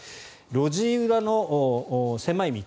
路地裏の狭い道